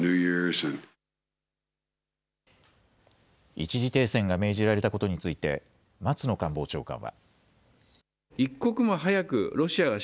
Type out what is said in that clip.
一時停戦が命じられたことについて、松野官房長官は。